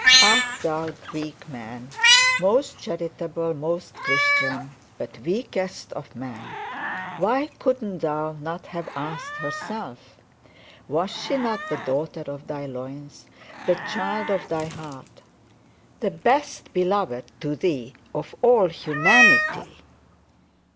Ah, thou weak man; most charitable, most Christian, but weakest of men! Why couldst thou not have asked herself? Was she not the daughter of thy loins, the child of thy heart, the most beloved of thee of all humanity?